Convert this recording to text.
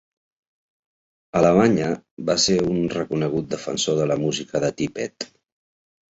A Alemanya, va ser un reconegut defensor de la música de Tippett.